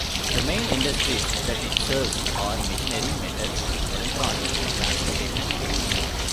The main industries that it serves are: machinery, metals, electronics and transportation equipment.